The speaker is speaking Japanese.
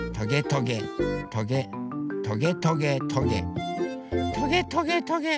トゲトゲトゲトゲトゲトゲ。